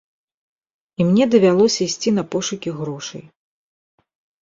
І мне давялося ісці на пошукі грошай.